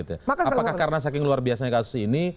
apakah karena saking luar biasanya kasus ini